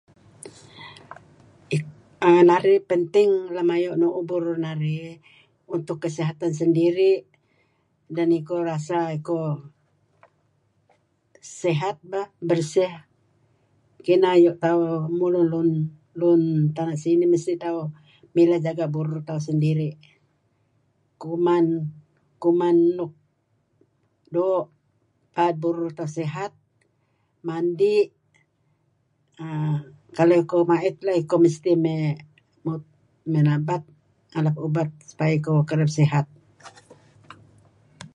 Lem narih penting lem ayu' nu'uh burur narih untuk kesihatan sendiri' dan iko rasa iko sihat bah, bersih, kineh ayu' tauh mulun luun tana' sinih mesti tauh mileh jaga' burur tauh sendiri'. Kuman kuman nuk doo' paad burur tauh sihat, mandi', kalau iko ma'it mesti koh mey nabat, ngalap ubat supaya iko kereb sihat.